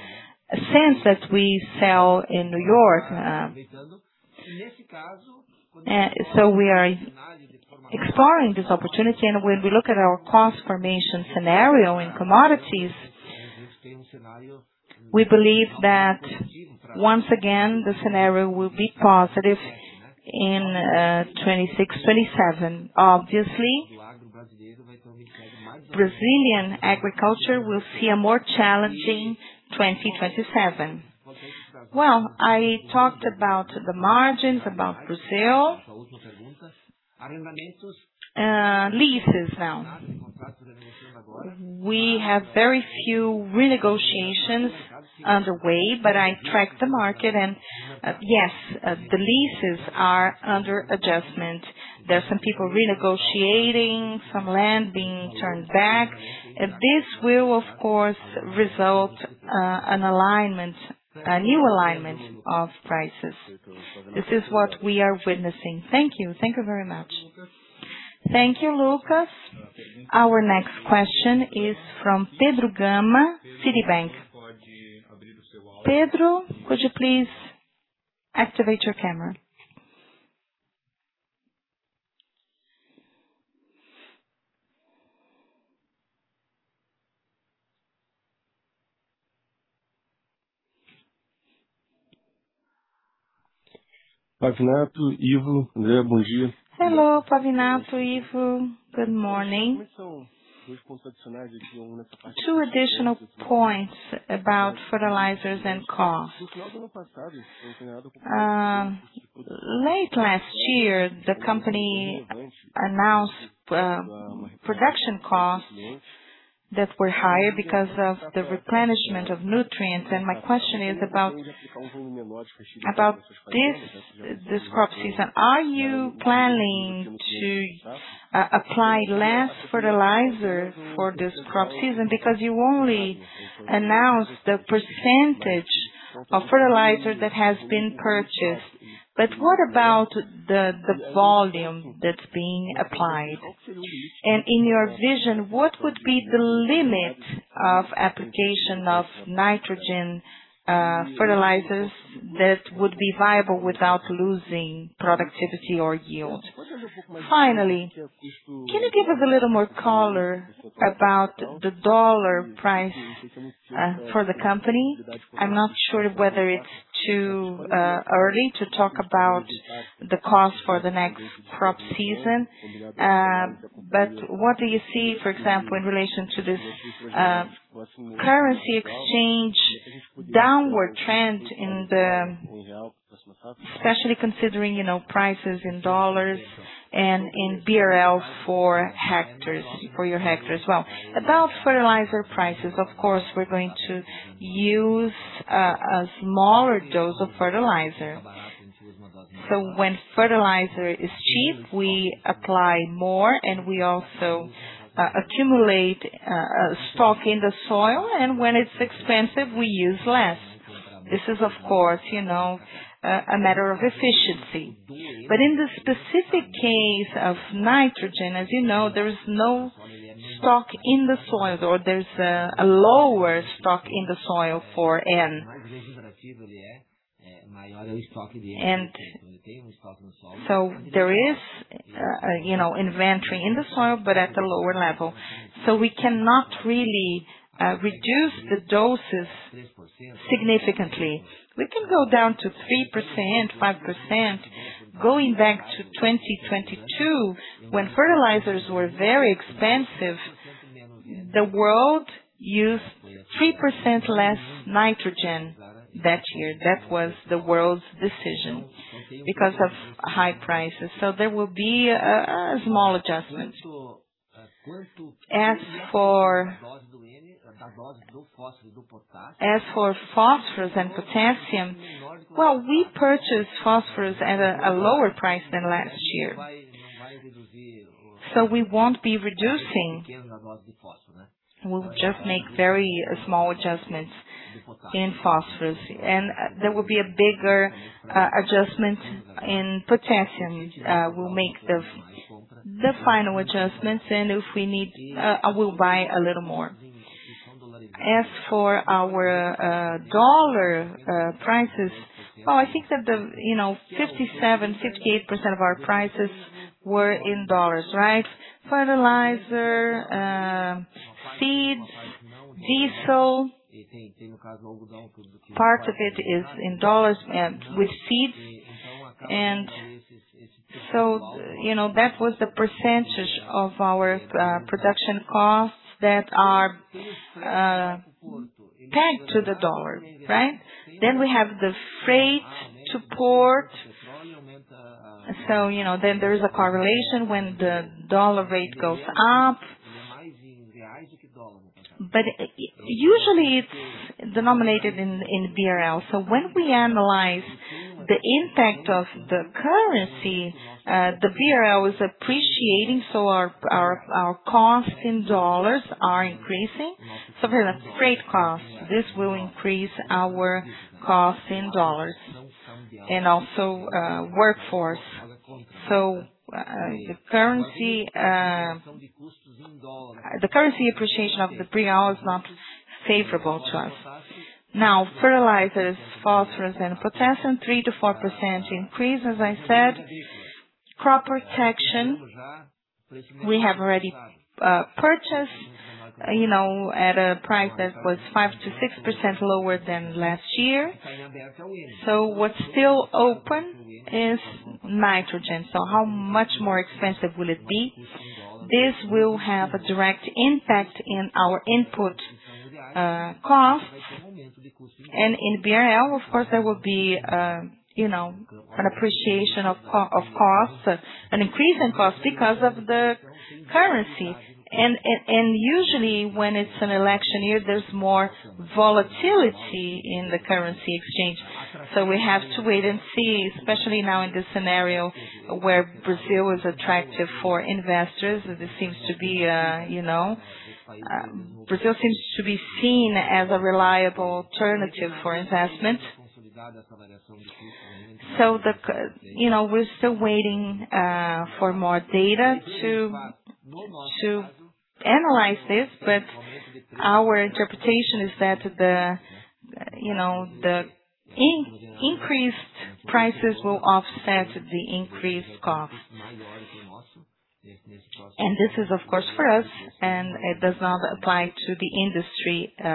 that we sell in New York. We are exploring this opportunity, and when we look at our cost formation scenario in commodities, we believe that once again, the scenario will be positive in 2026, 2027. Obviously, Brazilian agriculture will see a more challenging 2027. Well, I talked about the margins, about Brazil. Leases now. We have very few renegotiations underway, but I tracked the market and, yes, the leases are under adjustment. There are some people renegotiating, some land being turned back. This will, of course, result an alignment, a new alignment of prices. This is what we are witnessing. Thank you. Thank you very much. Thank you, Lucas. Our next question is from Pedro Gama, Citibank. Pedro, could you please activate your camera? Hello, Pavinato, Ivo. Good morning. Two additional points about fertilizers and costs. Late last year, the company announced production costs that were higher because of the replenishment of nutrients. My question is about this crop season. Are you planning to apply less fertilizer for this crop season because you only announced the percentage of fertilizer that has been purchased. What about the volume that's being applied? In your vision, what would be the limit of application of nitrogen fertilizers that would be viable without losing productivity or yield? Finally, can you give us a little more color about the dollar price for the company? I'm not sure whether it's too early to talk about the cost for the next crop season. What do you see, for example, in relation to this currency exchange downward trend, especially considering, you know, prices in dollars and in BRL for hectares, for your hectares? Well, about fertilizer prices, of course, we're going to use a smaller dose of fertilizer. When fertilizer is cheap, we apply more, and we also accumulate stock in the soil, and when it's expensive, we use less. This is of course, you know, a matter of efficiency. In the specific case of nitrogen, as you know, there is no stock in the soils, or there's a lower stock in the soil for N. There is, you know, inventory in the soil, but at a lower level. We cannot really reduce the doses significantly. We can go down to 3%, 5%. Going back to 2022, when fertilizers were very expensive, the world used 3% less nitrogen that year. That was the world's decision because of high prices. There will be a small adjustment. As for phosphorus and potassium, we purchased phosphorus at a lower price than last year. We won't be reducing. We'll just make very small adjustments in phosphorus. There will be a bigger adjustment in potassium. We'll make the final adjustments, and if we need, I will buy a little more. As for our dollar prices, I think that the, you know, 57%, 58% of our prices were in dollars, right? Fertilizer, seeds, diesel, part of it is in dollars and with seeds. You know, that was the percentage of our production costs that are pegged to the dollar, right? We have the freight to port. You know, there is a correlation when the dollar rate goes up. Usually, it's denominated in BRL. When we analyze the impact of the currency, the BRL is appreciating, our cost in dollars are increasing. For the freight cost, this will increase our cost in dollars and also workforce. The currency, the currency appreciation of the BRL is not favorable to us. Fertilizers, phosphorus and potassium, 3%-4% increase, as I said. Crop protection, we have already purchased, you know, at a price that was 5%-6% lower than last year. What's still open is nitrogen. How much more expensive will it be? This will have a direct impact in our input cost. In BRL, of course, there will be, you know, an increase in cost because of the currency. Usually when it's an election year, there's more volatility in the currency exchange. We have to wait and see, especially now in this scenario where Brazil is attractive for investors. This seems to be, you know, Brazil seems to be seen as a reliable alternative for investment. You know, we're still waiting for more data to analyze this. Our interpretation is that the, you know, the increased prices will offset the increased cost. This is of course for us, and it does not apply to the industry at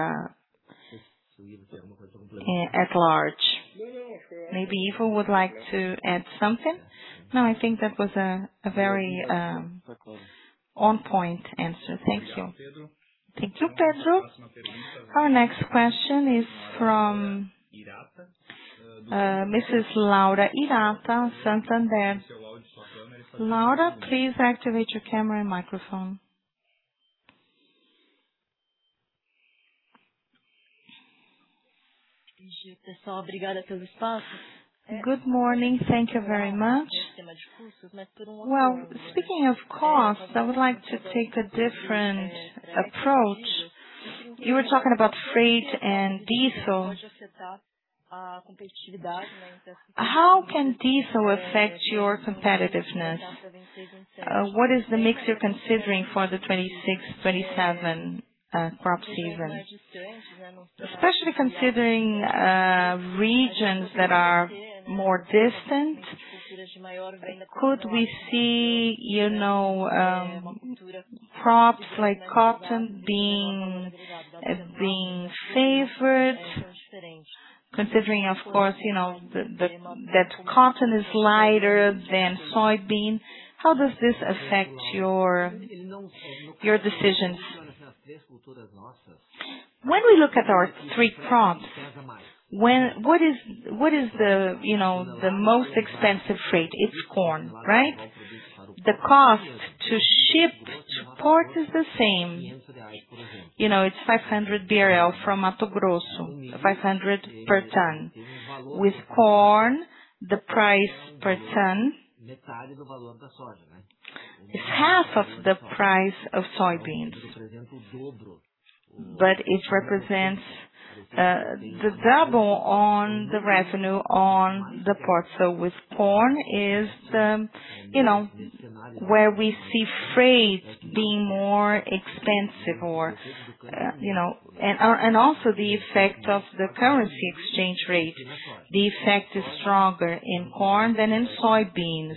large. Maybe Ivo would like to add something. No, I think that was a very on point answer. Thank you. Thank you, Pedro. Our next question is from Mrs. Laura Hirata, Santander. Laura, please activate your camera and microphone. Good morning. Thank you very much. Well, speaking of costs, I would like to take a different approach. You were talking about freight and diesel. How can diesel affect your competitiveness? What is the mix you're considering for the 2026/2027 crop season? Especially considering regions that are more distant, could we see, you know, crops like cotton being favored? Considering of course, you know, that cotton is lighter than soybean. How does this affect your decisions? When we look at our three crops, what is the, you know, the most expensive freight? It's corn, right? The cost to ship to port is the same. You know, it's 500 BRL from Mato Grosso, 500 per ton. With corn, the price per ton is half of the price of soybeans. It represents the double on the revenue on the port. With corn is, you know, where we see freight being more expensive or, you know, and also the effect of the currency exchange rate. The effect is stronger in corn than in soybeans.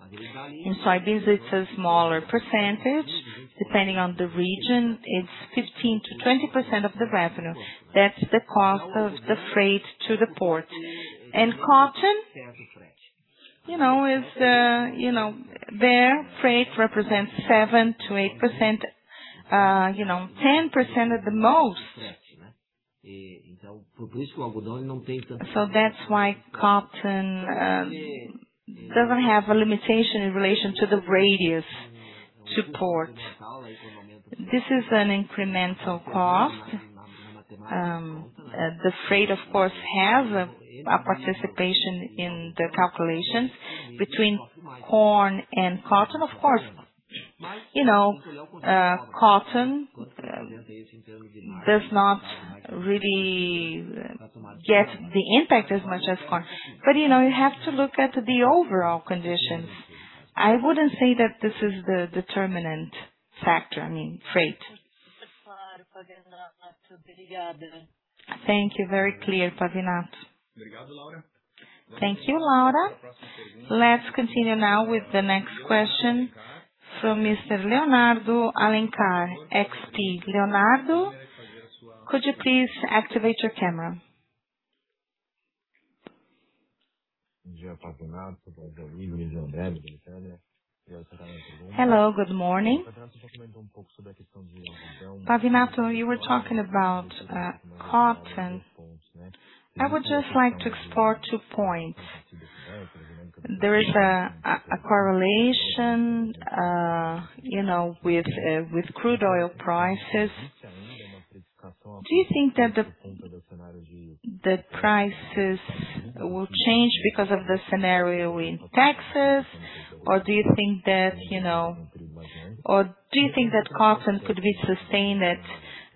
In soybeans it's a smaller percentage. Depending on the region, it's 15%-20% of the revenue. That's the cost of the freight to the port. Cotton, you know, is, you know, there, freight represents 7%-8%, you know, 10% at the most. That's why cotton doesn't have a limitation in relation to the radius to port. This is an incremental cost. The freight of course, has a participation in the calculation between corn and cotton. Of course, you know, cotton does not really get the impact as much as corn. You know, you have to look at the overall conditions. I wouldn't say that this is the determinant factor, I mean, freight. Thank you. Very clear, Pavinato. Thank you, Laura. Let's continue now with the next question from Mr. Leonardo Alencar, XP. Leonardo, could you please activate your camera? Hello, good morning. Pavinato, you were talking about cotton. I would just like to explore two points. There is a correlation, you know, with crude oil prices. Do you think that the prices will change because of the scenario in Texas, or do you think that cotton could be sustained at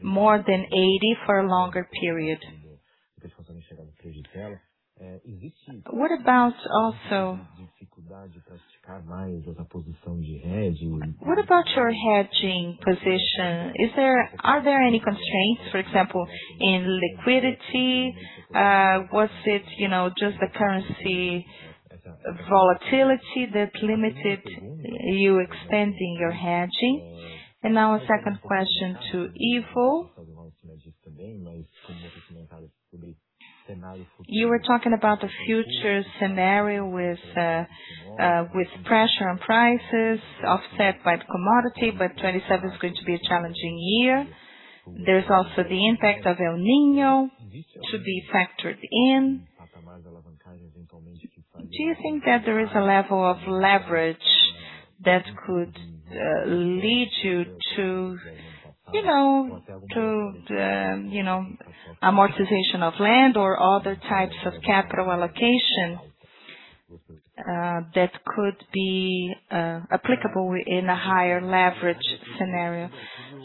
more than 80 for a longer period? What about your hedging position? Are there any constraints, for example, in liquidity? Was it, you know, just the currency volatility that limited you expanding your hedging? Now a second question to Ivo. You were talking about the future scenario with pressure on prices offset by commodity, but 2027 is going to be a challenging year. There's also the impact of El Niño to be factored in. Do you think that there is a level of leverage that could lead you to, you know, amortization of land or other types of capital allocation that could be applicable in a higher leverage scenario?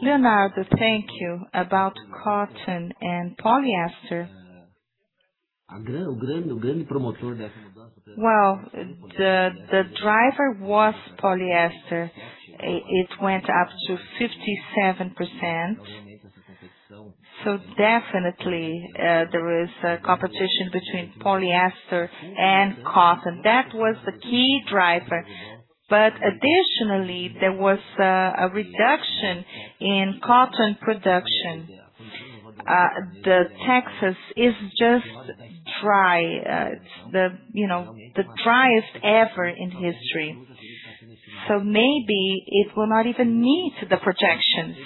Leonardo, thank you. About cotton and polyester. The driver was polyester. It went up to 57%. Definitely, there is a competition between polyester and cotton. That was the key driver. Additionally, there was a reduction in cotton production. The Texas is just dry. It's, you know, the driest ever in history. Maybe it will not even meet the projections.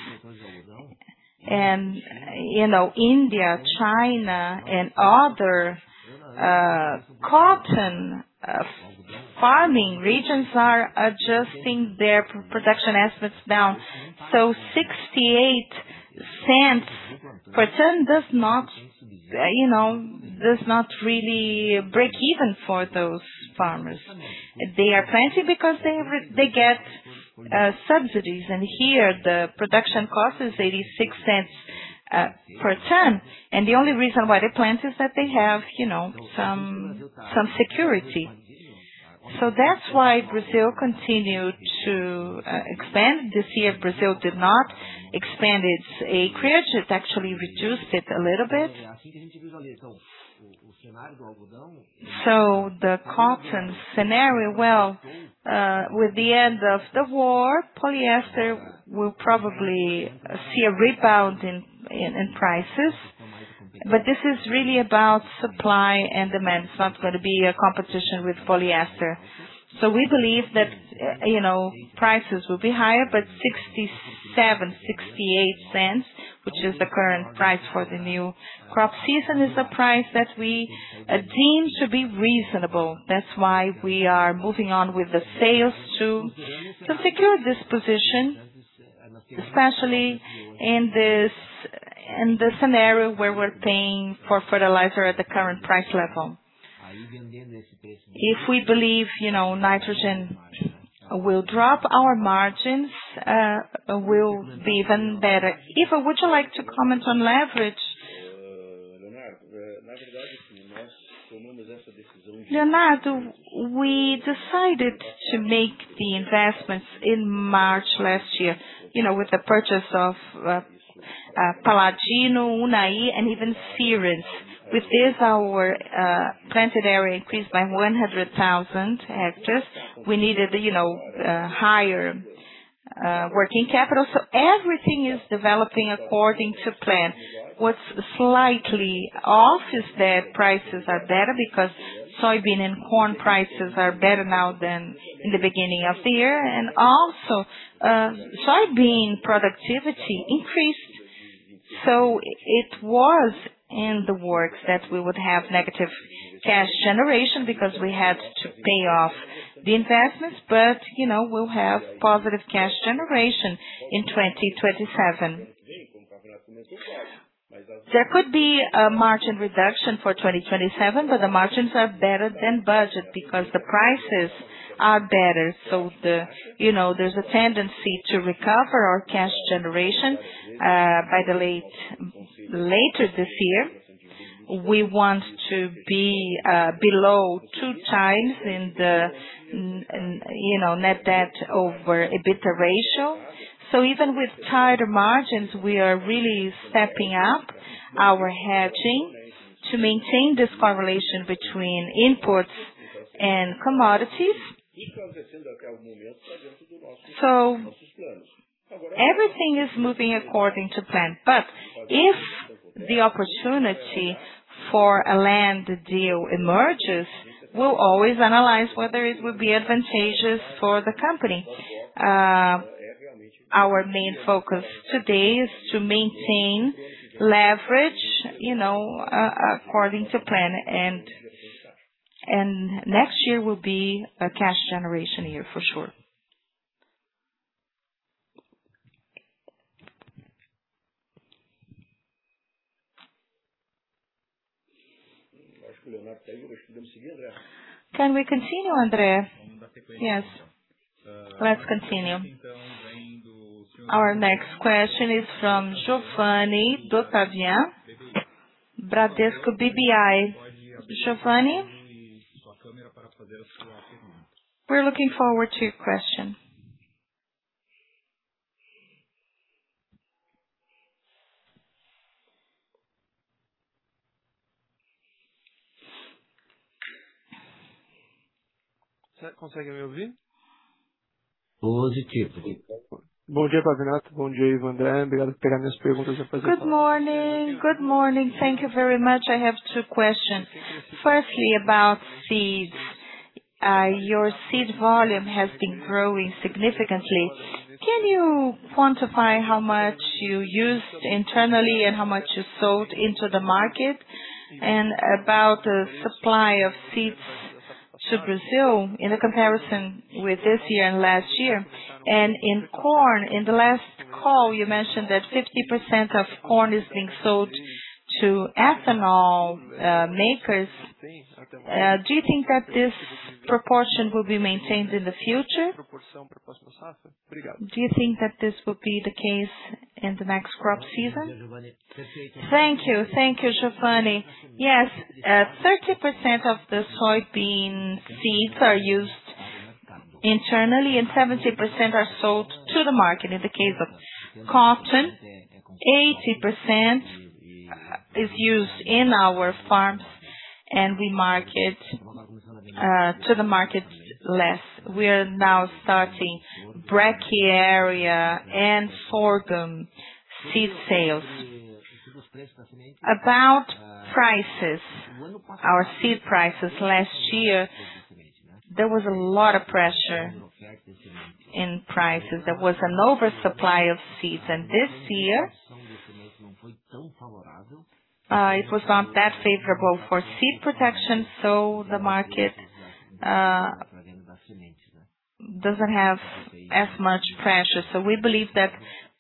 You know, India, China and other cotton farming regions are adjusting their production estimates down. $0.68 per ton does not, you know, really break even for those farmers. They are planting because they get subsidies. Here the production cost is $0.86 per ton. The only reason why they plant is that they have, you know, some security. That's why Brazil continued to expand. This year Brazil did not expand its acreage. It actually reduced it a little bit. The cotton scenario, well, with the end of the war, polyester will probably see a rebound in prices. This is really about supply and demand. It's not gonna be a competition with polyester. We believe that, you know, prices will be higher, but $0.67, $0.68, which is the current price for the new crop season, is the price that we deem to be reasonable. That's why we are moving on with the sales to secure this position, especially in this scenario where we're paying for fertilizer at the current price level. If we believe, you know, nitrogen will drop, our margins will be even better. Ivo Brum, would you like to comment on leverage? Leonardo, we decided to make the investments in March last year. You know, with the purchase of Fazenda Paladino, Unai, and even Ceres. With this, our planted area increased by 100,000 hectares. We needed, you know, higher working capital. Everything is developing according to plan. What's slightly off is that prices are better because soybean and corn prices are better now than in the beginning of the year. Also, soybean productivity increased. It was in the works that we would have negative cash generation because we had to pay off the investments. You know, we'll have positive cash generation in 2027. There could be a margin reduction for 2027, the margins are better than budget because the prices are better. You know, there's a tendency to recover our cash generation later this year. We want to be below 2x in the, you know, net debt to EBITDA ratio. Even with tighter margins, we are really stepping up our hedging to maintain this correlation between imports and commodities. Everything is moving according to plan. If the opportunity for a land deal emerges, we'll always analyze whether it would be advantageous for the company. Our main focus today is to maintain leverage, you know, according to plan, and next year will be a cash generation year for sure. Can we continue, André? Yes, let's continue. Our next question is from Giovanni D'Ottaviano, Bradesco BBI. Giovanni? We're looking forward to your question. Good morning. Good morning. Thank you very much. I have two questions. Firstly, about seeds. Your seed volume has been growing significantly. Can you quantify how much you used internally and how much you sold into the market? About the supply of seeds to Brazil in a comparison with this year and last year. In corn, in the last call, you mentioned that 50% of corn is being sold to ethanol makers. Do you think that this proportion will be maintained in the future? Do you think that this will be the case in the next crop season? Thank you. Thank you, Giovanni. Yes, 30% of the soybean seeds are used internally and 70% are sold to the market. In the case of cotton, 80% is used in our farms, and we market to the market less. We are now starting brachiaria and sorghum seed sales. About prices, our seed prices. Last year, there was a lot of pressure in prices. There was an oversupply of seeds. This year, it was not that favorable for seed production, so the market doesn't have as much pressure. We believe that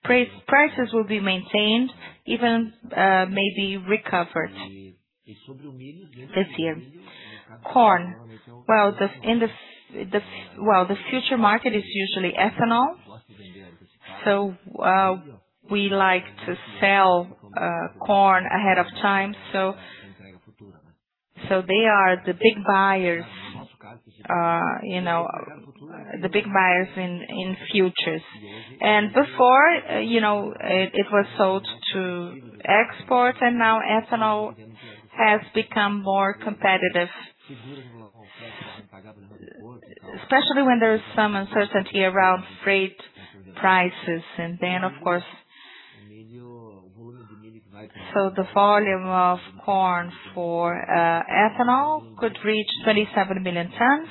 prices will be maintained, even maybe recovered this year. Corn. Well, the future market is usually ethanol. We like to sell corn ahead of time. They are the big buyers, you know, the big buyers in futures. Before, you know, it was sold to exports, and now ethanol has become more competitive. Especially when there is some uncertainty around freight prices. The volume of corn for ethanol could reach 27 million tons.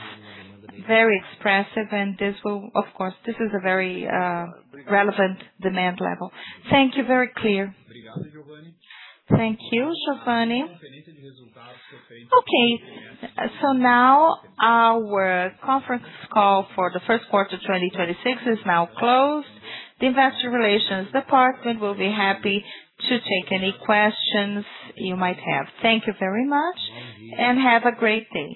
Very expressive. Of course, this is a very relevant demand level. Thank you. Very clear. Thank you, Giovanni. Okay. Now our conference call for the first quarter of 2026 is now closed. The investor relations department will be happy to take any questions you might have. Thank you very much and have a great day.